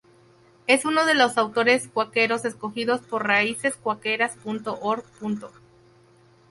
Es uno de los autores cuáqueros escogidos por raicescuaqueras.org.